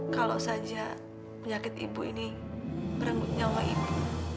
kalau saja penyakit ibu ini merenggut nyawa ibu